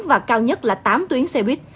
và cao nhất là tám tuyến xe buýt